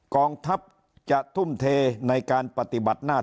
กองทัพจะทุ่มเทในการปฏิบัติหน้า